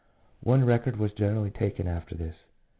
One record was generally taken after this.